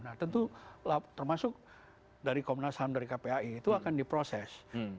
nah tentu termasuk dari komnas ham dari kpai itu akan diproses